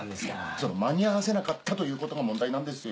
その間に合わせなかったということが問題なんですよ！